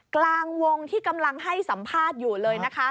กลางวงที่กำลังให้สัมภาษณ์อยู่เลยนะคะ